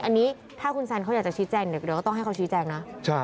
อันนี้ถ้าคุณแซนเขาอยากจะชี้แจงเดี๋ยวก็ต้องให้เขาชี้แจงนะ